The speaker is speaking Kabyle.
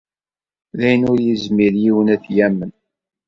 D ayen ur yezmir yiwen ad t-yamen!